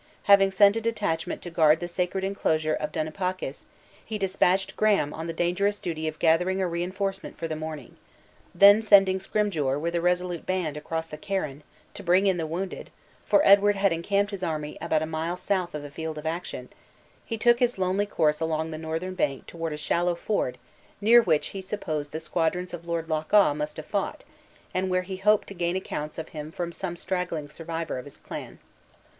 Having sent a detachment to guard the sacred inclosure of Dunipacis, he dispatched Graham on the dangerous duty of gathering a reinforcement for the morning. Then sending Scrymgeour, with a resolute band, across the Carron, to bring in the wounded (for Edward had encamped his army about a mile south of the field of action), he took his lonely course along the northern bank toward a shallow ford near which he supposed the squadrons of Lord Loch awe must have fought, and where he hoped to gain accounts of him from some straggling survivor of his clan.